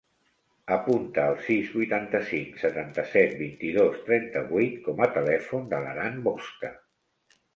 Apunta el sis, vuitanta-cinc, setanta-set, vint-i-dos, trenta-vuit com a telèfon de l'Aran Bosca.